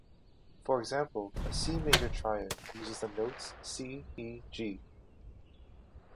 For example, a C major triad uses the notes C-E-G.